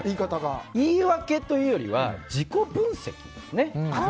言い訳というよりは自己分析ですね。